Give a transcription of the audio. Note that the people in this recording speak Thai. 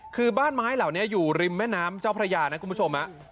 คือบ้านไม้เหล่านี้อยู่ริมแม่น้ำเจ้าพระยานะคุณผู้ชม